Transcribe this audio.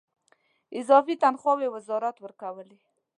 اضافي تنخواوې وزارت ورکولې.